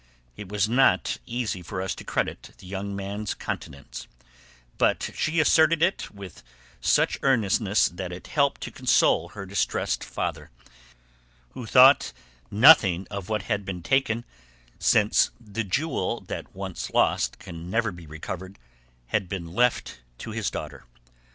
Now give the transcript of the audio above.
It was not easy for us to credit the young man's continence, but she asserted it with such earnestness that it helped to console her distressed father, who thought nothing of what had been taken since the jewel that once lost can never be recovered had been left to his daughter.